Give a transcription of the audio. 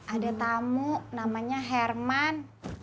ada tamu namanya herman